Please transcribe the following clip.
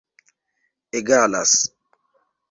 egalas